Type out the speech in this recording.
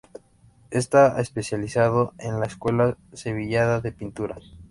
Está especializado en la escuela sevillana de pintura.